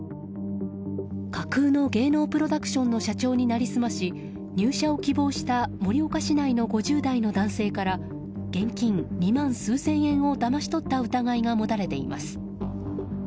架空の芸能プロダクションの社長に成り済まし入社を希望した盛岡市内の５０代の男性から現金２万数千円をだまし取った疑いが持たれています。